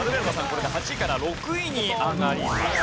これで８位から６位に上がります。